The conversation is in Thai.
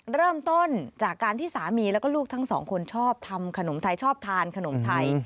เริ่มต้นจากการที่สามีแล้วก็ลูกทั้งสองคนชอบทำขนมไทยชอบทานขนมไทย